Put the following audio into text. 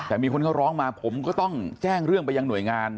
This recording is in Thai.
แต่มีคนเขาร้องมาผมก็ต้องแจ้งเรื่องไปยังหน่วยงาน